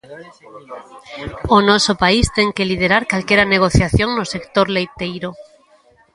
O noso país ten que liderar calquera negociación no sector leiteiro.